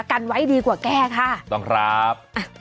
กันไว้ดีกว่าแก้ค่ะถูกต้องครับ